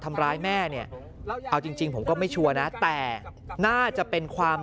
ทำร้ายแม่เนี่ยเอาจริงผมก็ไม่ชัวร์นะแต่น่าจะเป็นความ